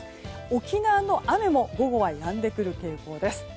沖縄の雨も午後はやんでくる傾向です。